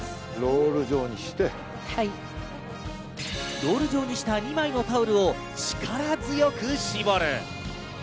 ロール状にした２枚のタオルを力強く絞る。